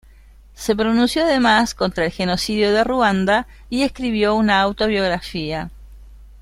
Se pronunció además contra el genocidio de Ruanda y escribió una autobiografía.